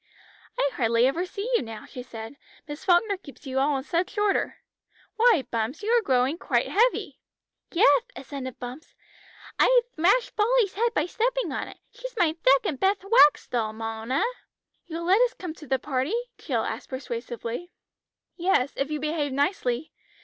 "I hardly ever see you now," she said; "Miss Falkner keeps you all in such order. Why, Bumps, you are growing quite heavy." "Yeth," assented Bumps, "I thmashed Polly's head by stepping on it. She's my thecond betht wax doll, Mona!" "You'll let us come to the party?" asked Jill persuasively. "Yes, if you behave nicely.